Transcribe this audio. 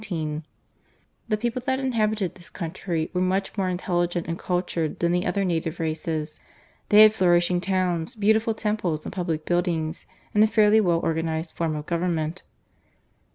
The people that inhabited this country were much more intelligent and cultured than the other native races. They had flourishing towns, beautiful temples and public buildings, and a fairly well organised form of government.